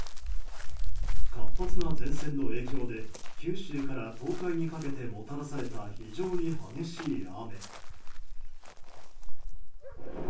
活発な前線の影響で、九州から東海にかけてもたらされた非常に激しい雨。